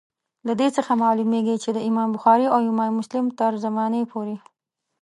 له دې څخه معلومیږي چي د امام بخاري او امام مسلم تر زمانې پوري.